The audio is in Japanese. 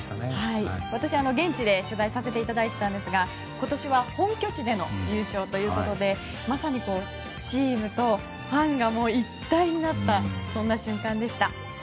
私、現地で取材させていただいていたんですが今年は本拠地での優勝ということでまさにチームとファンが一体となった瞬間でした。